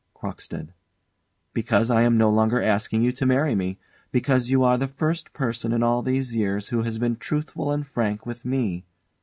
CROCKSTEAD. Because I am no longer asking you to marry me. Because you are the first person in all these years who has been truthful and frank with me.